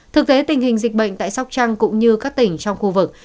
thực tế tình hình dịch bệnh tại sóc trăng cũng như các tỉnh trong khu vực